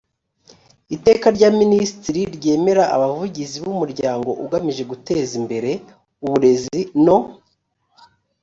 iteka rya minisitiri ryemera abavugizi b umuryango ugamije guteza imbere uburezi no